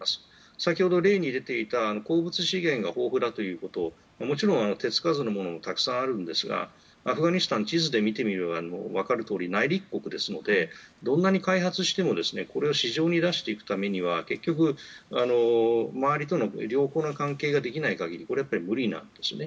先ほど例に出ていた鉱物資源が豊富であることもちろん、手つかずのものもたくさんあるんですがアフガニスタン地図で見てみれば分かるとおり内陸国ですのでどんなに開発してもこれを市場に出していくためには結局、周りとの良好な関係ができない限りこれは無理なんですね。